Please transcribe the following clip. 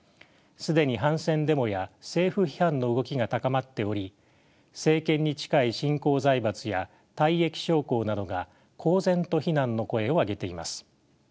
既に反戦デモや政府批判の動きが高まっており政権に近い新興財閥や退役将校などが公然と非難の声を上げています。